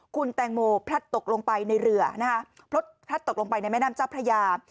คุณแตงโมพลัดตกลงไปในเรือนะคะพลดพลัดตกลงไปในแม่น้ำเจ้าพระยา